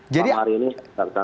malam hari ini kita ke sana